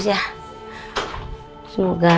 masih ada perkembangan ya